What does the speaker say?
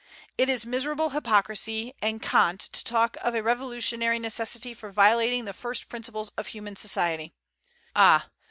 It is miserable hypocrisy and cant to talk of a revolutionary necessity for violating the first principles of human society. Ah!